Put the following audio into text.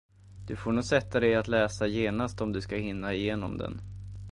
Du får nog sätta dig att läsa genast, om du ska hinna igenom den.